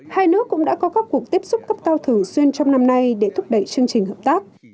hai nước cũng đã có các cuộc tiếp xúc cấp cao thường xuyên trong năm nay để thúc đẩy chương trình hợp tác